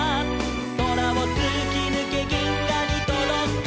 「そらをつきぬけぎんがにとどく」